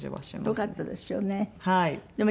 よかったですよね。